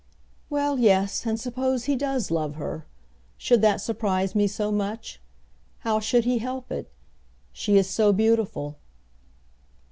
"Well, yes, and suppose he does love her? Should that surprise me so much? How should he help it? She is so beautiful!"